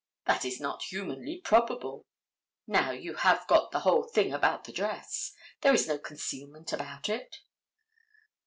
That is not humanly probable. Now, you have got the whole thing about the dress. There is no concealment about it.